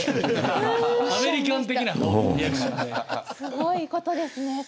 すごいことですね